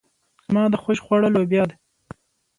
زما د خوښې خواړه لوبيا ده.